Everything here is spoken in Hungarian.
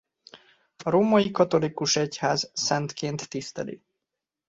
A római katolikus egyház szentként tiszteli.